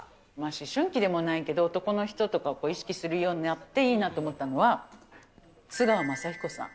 思春期でもないけど、男の人とかを意識するようになっていいなと思ったのは、津川雅彦さん。